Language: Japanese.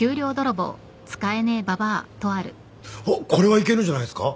あっこれはいけるんじゃないですか？